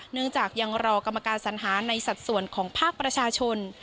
ยังรอกรรมการสัญหาในสัดส่วนของภาคประชาชน